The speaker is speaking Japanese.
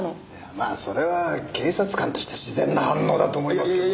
まあそれは警察官として自然な反応だと思いますけどね。